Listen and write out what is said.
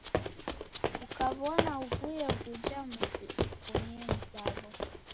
Ukaw'ona uw'ue ghuja muzi ufumie mzaw'o.